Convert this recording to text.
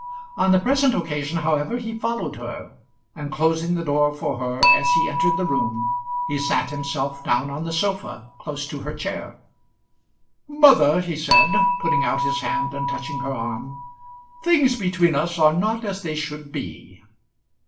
On the present occasion, however, he followed her, and closing the door for her as he entered the room, he sat himself down on the sofa, close to her chair. "Mother," he said, putting out his hand and touching her arm, "things between us are not as they should be."